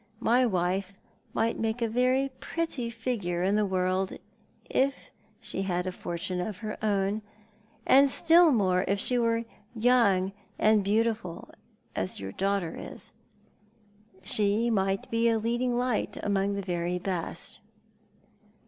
My wife might make a very pretty figure in the world, if she had a fortune of her own— and still more if she were young and beautiful, as your daughter is. She might be a leading light among the very best."